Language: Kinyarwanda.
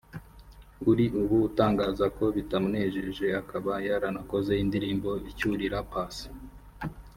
uri ubu utangaza ko bitamunejeje akaba yaranakoze indirimbo icyurira Paccy